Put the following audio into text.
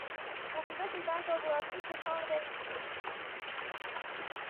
We'll be looking back over our Christmas holidays soon.